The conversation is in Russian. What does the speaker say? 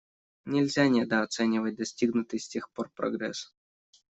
Нельзя недооценивать достигнутый с тех пор прогресс.